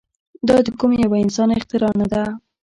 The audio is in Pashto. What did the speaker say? دا د کوم يوه انسان اختراع نه ده.